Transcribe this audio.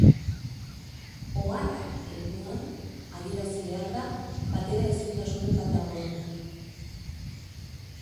“Oharrak" eremuan, adierazi behar da bateraezintasunen bat dagoen